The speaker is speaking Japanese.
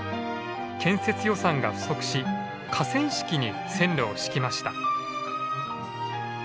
建設予算が不足し河川敷に線路を敷きました。